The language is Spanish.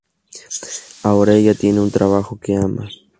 Ahora, ella tiene un trabajo que ama.